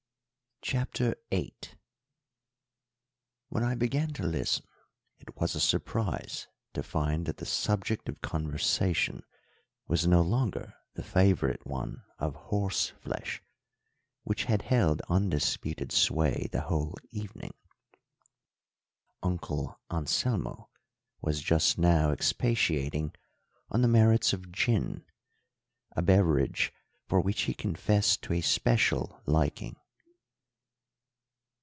CHAPTER VIII When I began to listen, it was a surprise to find that the subject of conversation was no longer the favourite one of horse flesh, which had held undisputed sway the whole evening. Uncle Anselmo was just now expatiating on the merits of gin, a beverage for which he confessed to a special liking.